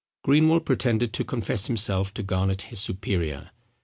Greenwell pretended to confess himself to Garnet his superior.